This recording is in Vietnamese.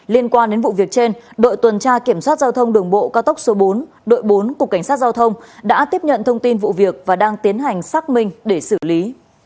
liên quan đến vụ việc trên đội tuần tra kiểm soát giao thông đường bộ cao tốc số bốn đội bốn cục cảnh sát giao thông đã tiếp nhận thông tin vụ việc và đang tiến hành xác minh để xử lý